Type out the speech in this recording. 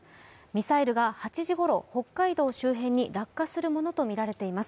ミサイルが８時ごろ北海道周辺に落下するものとみられています。